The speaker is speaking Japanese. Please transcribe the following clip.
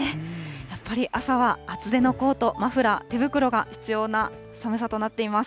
やっぱり朝は厚手のコート、マフラー、手袋が必要な寒さとなっています。